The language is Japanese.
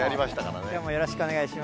きょうもよろしくお願いします。